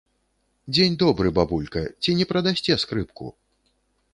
Дзень добры, бабулька, ці не прадасце скрыпку?